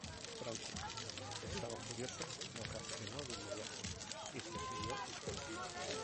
Franco, que estaba furioso, no reaccionó de inmediato y prefirió esperar.